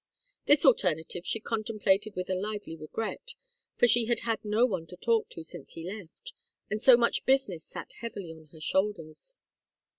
This alternative she contemplated with a lively regret, for she had had no one to talk to since he left, and so much business sat heavily on her shoulders.